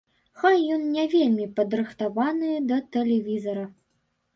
Хай ён не вельмі падрыхтаваны да тэлевізара.